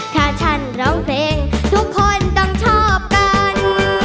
ถ้าฉันร้องเพลงทุกคนต้องชอบกัน